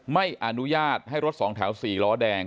ไม่อนุญาตให้รถสองแถว๔ล้อแดง